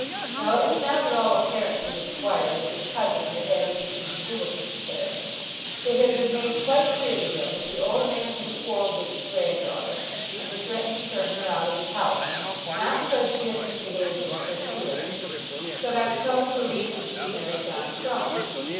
Now it was not at all apparent to the squire that his cousin had had anything to do with this affair. It had been made quite clear to him that the old man had quarrelled with his granddaughter and had threatened to turn her out of his house, not because she had misbehaved with Sir Felix, but on account of her refusing to marry John Crumb.